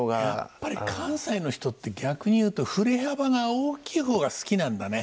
やっぱり関西の人って逆に言うと振り幅が大きい方が好きなんだね。